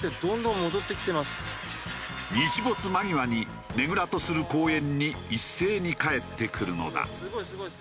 日没間際にねぐらとする公園に一斉に帰ってくるのだ。